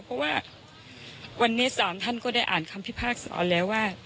เพราะว่าวันนี้ศาลท่านก็ได้อ่านคำพิพากษรแล้วว่า